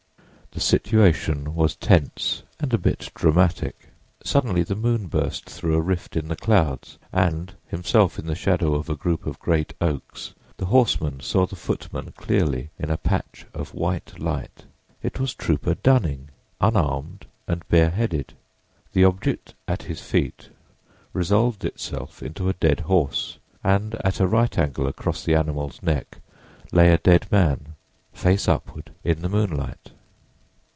The situation was tense and a bit dramatic. Suddenly the moon burst through a rift in the clouds and, himself in the shadow of a group of great oaks, the horseman saw the footman clearly, in a patch of white light. It was Trooper Dunning, unarmed and bareheaded. The object at his feet resolved itself into a dead horse, and at a right angle across the animal's neck lay a dead man, face upward in the moonlight.